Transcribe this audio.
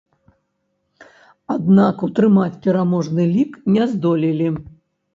Аднак утрымаць пераможны лік не здолелі.